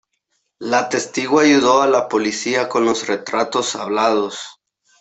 La testigo ayudó a la policía con los retratos hablados.